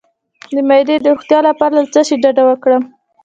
د معدې د روغتیا لپاره له څه شي ډډه وکړم؟